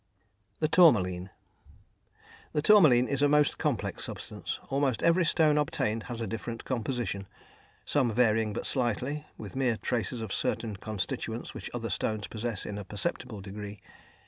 The Tourmaline. The tourmaline is a most complex substance; almost every stone obtained has a different composition, some varying but slightly, with mere traces of certain constituents which other stones possess in a perceptible degree.